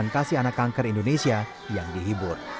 untuk menginvestasi anak kanker indonesia yang dihibur